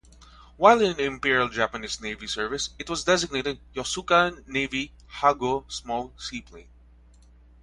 While in Imperial Japanese Navy service it was designated Yokosuka Navy Ha-go Small Seaplane.